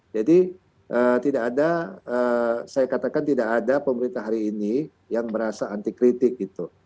jadi tidak ada saya katakan tidak ada pemerintah hari ini yang merasa anti kritik gitu